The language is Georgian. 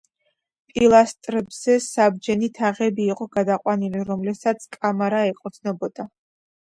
პილასტრებზე საბჯენი თაღები იყო გადაყვანილი, რომლებსაც კამარა ეყრდნობოდა.